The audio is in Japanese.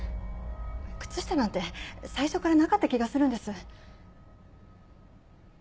靴下なんて最初からなかった気がするんです。